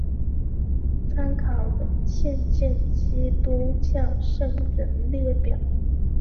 参考文献见基督教圣人列表。